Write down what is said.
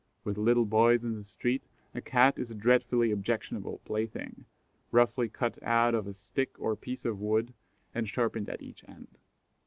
With little boys in the street a Cat is a dreadfully objectionable plaything, roughly cut out of a stick or piece of wood, and sharpened at each end.